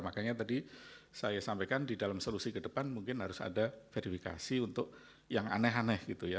makanya tadi saya sampaikan di dalam solusi ke depan mungkin harus ada verifikasi untuk yang aneh aneh gitu ya